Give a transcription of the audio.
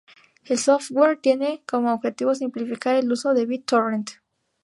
El software tiene como objetivo simplificar el uso de BitTorrent.